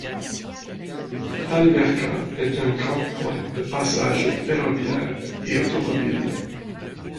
Alverca est un grand point de passage ferroviaire et automobile.